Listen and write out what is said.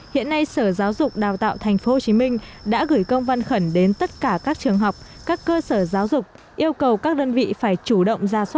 hiện nay sở giáo dục đào tạo tp hcm đã gửi công văn khẩn đến tất cả các trường học các cơ sở giáo dục yêu cầu các đơn vị phải chủ động ra soát